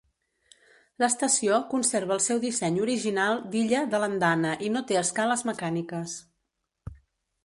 L'estació conserva el seu disseny original d'illa de l'andana i no té escales mecàniques.